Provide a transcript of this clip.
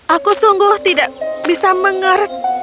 aku sungguh tidak bisa mengerti